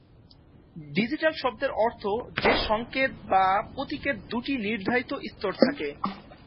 Digital শব্দের অর্থ যে সংকেত বা প্রতীকের দুটি নির্ধারিত স্তর থাকে।